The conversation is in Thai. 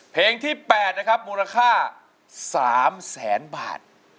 เพลงที่๘นะครับมูลค่า๓แสนบาท